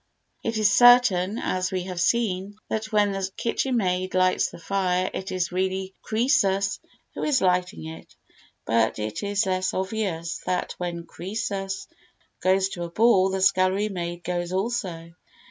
It is certain, as we have seen, that when the kitchen maid lights the fire it is really Croesus who is lighting it, but it is less obvious that when Croesus goes to a ball the scullery maid goes also.